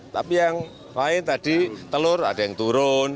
tapi yang lain tadi telur ada yang turun